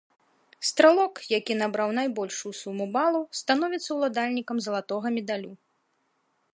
Стралок, які набраў найбольшую суму балаў, становіцца ўладальнікам залатога медалю.